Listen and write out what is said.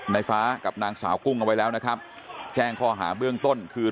ในฟ้ากับนางสาวกุ้งเอาไว้แล้วนะครับแจ้งข้อหาเบื้องต้นคือ